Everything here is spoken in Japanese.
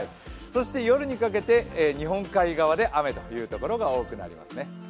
そして夜にかけて日本海側で雨というところが多くなりますね。